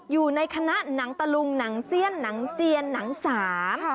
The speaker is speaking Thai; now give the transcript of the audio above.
อยู่ในคณะหนังตะลุงหนังเซียนหนังเจียนหนังสาม